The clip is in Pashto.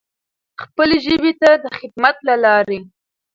خپلې ژبې ته د خدمت له لارې.